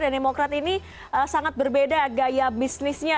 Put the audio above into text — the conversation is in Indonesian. demokrat ini sangat berbeda gaya bisnisnya